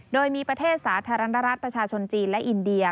โดยมีประเทศสาธารณรัฐประชาชนจีนและอินเดีย